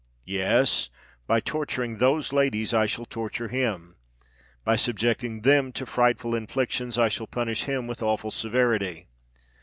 Yes—by torturing those ladies, I shall torture him: by subjecting them to frightful inflictions I shall punish him with awful severity.